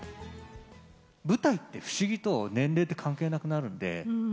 舞台って不思議と、年齢って関係なくなるんで。